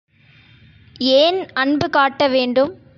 ஏன் அன்பு காட்ட வேண்டும்?